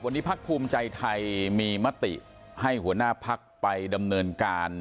วันนี้พักภูมิใจไทยมีมติให้หัวหน้าพักไปดำเนินการ